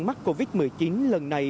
mắc covid một mươi chín lần này